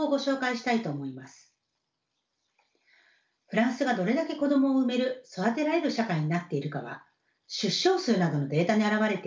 フランスがどれだけ子どもを産める育てられる社会になっているかは出生数などのデータに表れています。